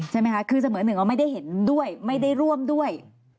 ใช่ไหมคะคือเสมอหนึ่งว่าไม่ได้เห็นด้วยไม่ได้ร่วมด้วย